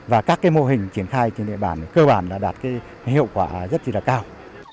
và các mô hình triển khai trên địa bàn cơ bản đã đạt hiệu quả rất là cao